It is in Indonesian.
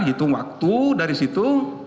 hitung waktu dari situ